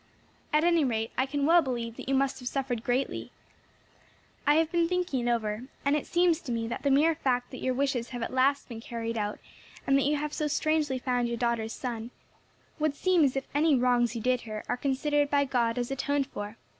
At any rate I can well believe that you must have suffered greatly. I have been thinking it over, and it seems to me that the mere fact that your wishes have at last been carried out, and that you have so strangely found your daughter's son, would seem as if any wrongs you did her are considered by God as atoned for.